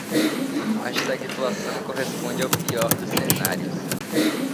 A estagflação corresponde ao pior dos cenários